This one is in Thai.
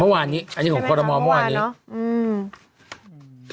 เมื่อวานนี้อันนี้ของคอรมอลเมื่อวานนี้